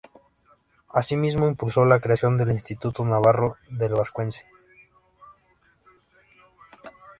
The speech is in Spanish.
Asimismo impulsó la creación del Instituto Navarro del Vascuence.